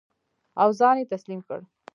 او ځان یې تسلیم کړ.